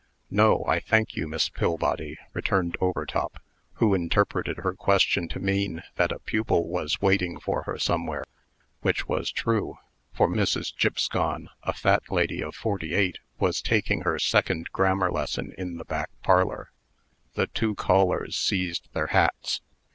"No, I thank you, Miss Pillbody," returned Overtop, who interpreted her question to mean that a pupil was waiting for her somewhere which was true; for Mrs. Gipscon, a fat lady of forty eight, was taking her second grammar lesson in the back parlor. The two callers seized their hats.